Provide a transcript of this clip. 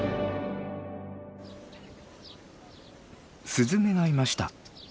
スズメがいました。